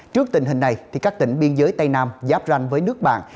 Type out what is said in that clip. trước tình hình này các tỉnh biên giới tây nam giáp ranh với nước bạn